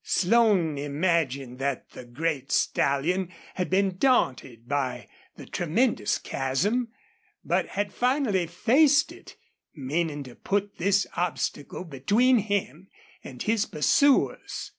Slone imagined that the great stallion had been daunted by the tremendous chasm, but had finally faced it, meaning to put this obstacle between him and his pursuers.